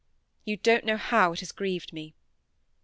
You don't know how it has grieved me."